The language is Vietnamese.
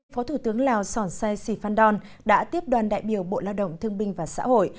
phó thủ tướng lào sòn sai sì phan đòn đã tiếp đoàn đại biểu bộ lao động thương binh và xã hội